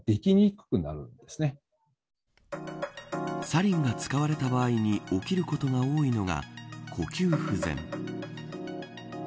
サリンが使われた場合に起きることが多いのが呼吸不全。